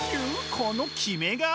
このキメ顔！